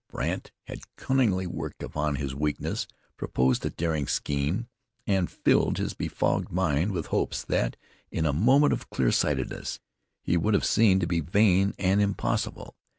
Brandt had cunningly worked upon his weakness, proposed a daring scheme; and filled his befogged mind with hopes that, in a moment of clear sightedness, he would have seen to be vain and impossible.